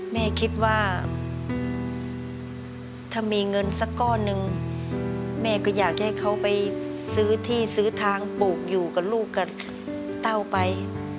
แม่คิดว่าถ้ามีเงินสักก้อนหนึ่งแม่ก็อยากจะให้เขาไปซื้อที่ซื้อทางปลูกอยู่กับลูกกับเต้าไป